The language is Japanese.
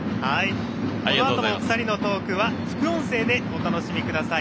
このあともお二人のトークは副音声でお楽しみください。